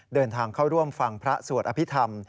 เดินทางเข้าร่วมฟังพระสวดอภิษฐรรม